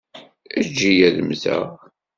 Eǧǧ-iyi ad mmteɣ.